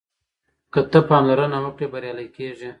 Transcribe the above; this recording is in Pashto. که ته پاملرنه وکړې بریالی کېږې.